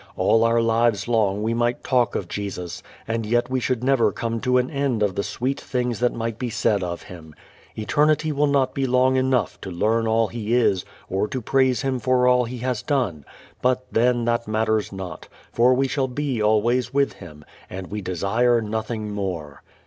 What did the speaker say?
All our lives long we might talk of Jesus, and yet we should never come to an end of the sweet things that might be said of Him. Eternity will not be long enough to learn all He is, or to praise Him for all He has done, but then, that matters not; for we shall be always with Him, and we desire nothing more."